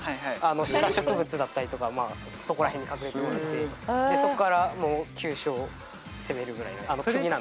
シダ植物だったりとかそこら辺に隠れてもらってそこから急所を攻めるぐらいな首なんですけど。